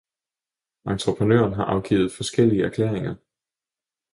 Entreprenøren har afgivet forskellige erklæringer.